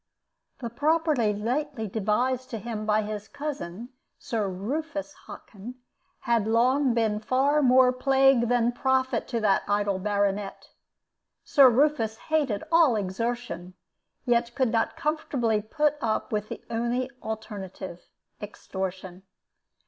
The property lately devised to him by his cousin, Sir Rufus Hockin, had long been far more plague than profit to that idle baronet. Sir Rufus hated all exertion, yet could not comfortably put up with the only alternative extortion.